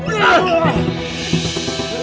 udah dong rifki